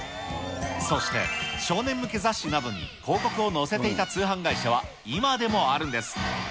そして、少年向け雑誌などに広告を載せていた通販会社は今でもあるんです。